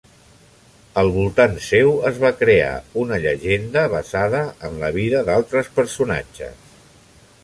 Al voltant seu es va crear una llegenda basada en la vida d'altres personatges.